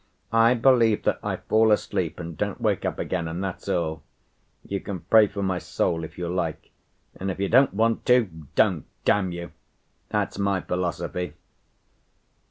I believe that I fall asleep and don't wake up again, and that's all. You can pray for my soul if you like. And if you don't want to, don't, damn you! That's my philosophy.